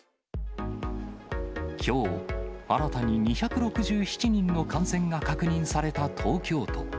きょう、新たに２６７人の感染が確認された東京都。